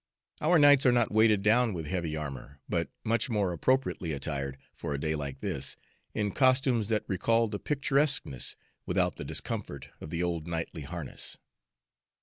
Our knights are not weighted down with heavy armor, but much more appropriately attired, for a day like this, in costumes that recall the picturesqueness, without the discomfort, of the old knightly harness.